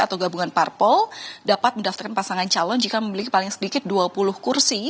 atau gabungan parpol dapat mendaftarkan pasangan calon jika memiliki paling sedikit dua puluh kursi